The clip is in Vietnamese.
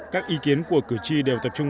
các ý kiến của cử tri đều tập trung